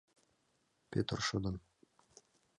Пӧтыр шыдын: